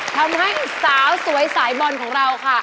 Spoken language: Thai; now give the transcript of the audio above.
ทำให้สาวสวยสายบอลของเราค่ะ